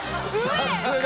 さすが！